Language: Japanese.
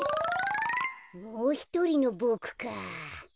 もうひとりのボクか。